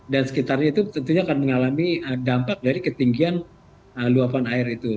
dan sekitarnya itu tentunya akan mengalami dampak dari ketinggian luapan air itu